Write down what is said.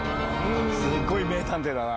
すごい名探偵だな。